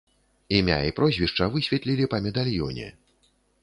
Імя і прозвішча высветлілі па медальёне.